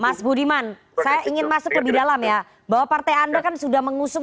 mas budiman saya ingin masuk lebih dalam ya bahwa partai anda kan sudah mengusung